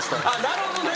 なるほどね。